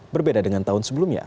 berbeda dengan tahun sebelumnya